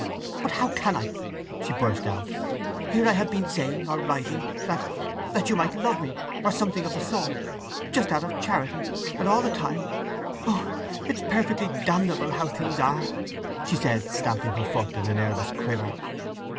"But how can I?" she burst out. "Here I have been saying, or writing, that—that you might love me, or something of the sort!—just out of charity—and all the time—oh, it is perfectly damnable how things are!" she said, stamping her foot in a nervous quiver.